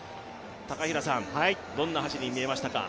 高平さん、どんな走りに見えましたか。